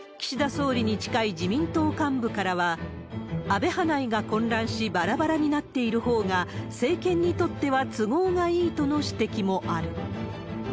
総理に近い自民党幹部からは、安倍派内が混乱し、ばらばらになっているほうが政権にとっては都合がいいとの指摘もある。